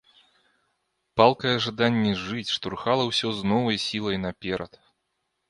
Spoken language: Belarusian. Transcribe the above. Палкае жаданне жыць штурхала ўсё з новай сілай наперад.